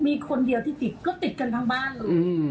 มีคนเดียวที่ติดก็ติดกันทั้งบ้านเลย